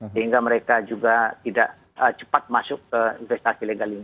sehingga mereka juga tidak cepat masuk ke investasi legal ini